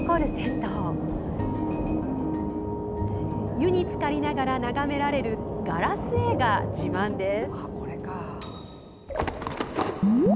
湯につかりながら眺められるガラス絵が自慢です。